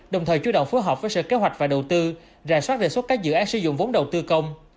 đồng thời chủ động phối hợp với sở kế hoạch và đầu tư rà soát rệ xuất các dự án sử dụng vốn đầu tư công